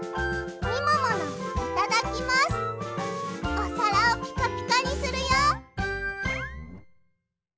おさらをピカピカにするよ！